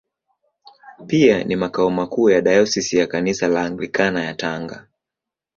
Pia ni makao makuu ya Dayosisi ya Kanisa la Anglikana ya Tanga.